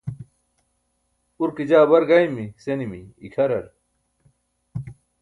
urke jaa bar gaymi senimi ikʰarar